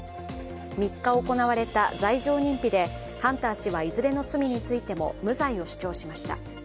３日行われた罪状認否でハンター氏はいずれの罪についても無罪を主張しました。